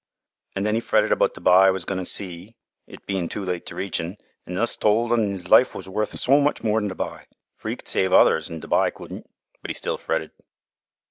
An' then 'e fretted about th' b'y 'e was goin' to see, it bein' too late to reach un, an' us tol' un 'is life was worth so much more 'n th' b'y, fur 'e could save others an' th' b'y couldn'. But 'e still fretted.